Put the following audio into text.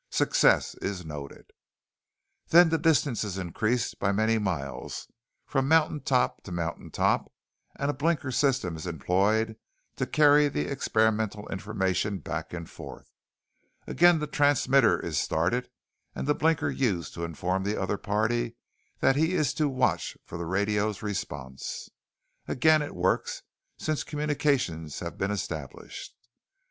Success is noted. "Then the distance is increased by many miles from mountain top to mountain top and a blinker system is employed to carry the experimental information back and forth. Again the transmitter is started and the blinker used to inform the other party that he is to watch for the radio's response. Again, it works, since communications have been established.